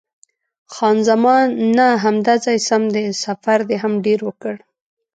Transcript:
خان زمان: نه، همدا ځای سم دی، سفر دې هم ډېر وکړ.